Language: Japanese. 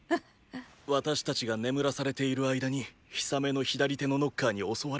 私たちが眠らされている間にヒサメの左手のノッカーに襲われたんです。